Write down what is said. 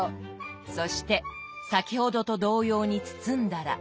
そして先ほどと同様に包んだら。